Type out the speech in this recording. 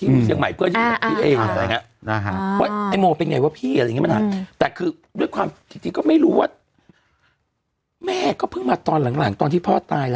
นั่งอยู่แต่ในโ